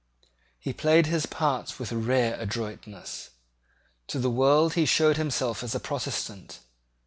He played his part with rare adroitness. To the world he showed himself as a Protestant.